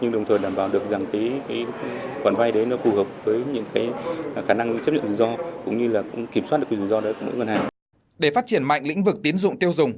để phát triển mạnh lĩnh vực tiến dụng tiêu dùng